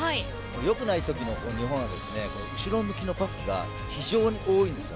良くないときの日本は後ろ向きのパスが非常に多いんです。